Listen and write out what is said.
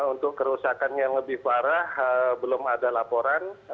untuk kerusakan yang lebih parah belum ada laporan